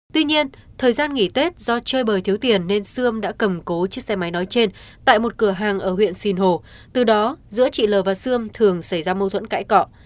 tuy nhiên thời gian nghỉ tết do chơi bời thiếu tiền nên sươm đã cầm cố chiếc xe máy nói trên tại một cửa hàng ở huyện sinh hồ từ đó giữa chị l và sươm thường xảy ra mâu thuẫn cãi cọ